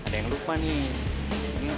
be juga pamit dulu be